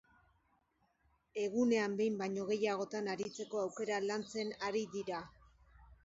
Egunean behin baino gehiagotan aritzeko aukera lantzen ari dira.